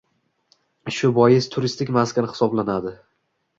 shu bois turistik maskan hisoblanadi.